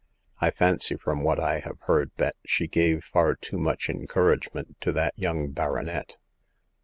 I fancy from what I have heard that she gave far too much encouragement to that young baronet.